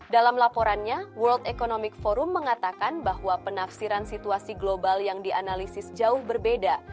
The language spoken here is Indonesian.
dalam laporannya world economic forum mengatakan bahwa penafsiran situasi global yang dianalisis jauh berbeda